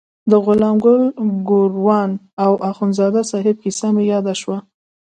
د غلام ګل ګوروان او اخندزاده صاحب کیسه مې یاده شوه.